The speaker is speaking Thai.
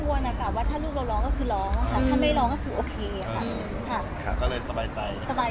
ก็จะแบบนี้ตอนชีมือเราจะชีมซ้าย